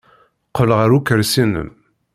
Qqel ɣer ukersi-nnem.